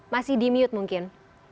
masih di mute mungkin